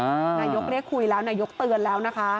นายกเรียกคุยแล้วนายกเตือนแล้วนะคะ